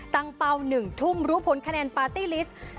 เป้า๑ทุ่มรู้ผลคะแนนปาร์ตี้ลิสต์